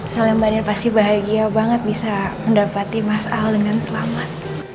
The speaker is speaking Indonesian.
soalnya mbak dan pasti bahagia banget bisa mendapati mas al dengan selamat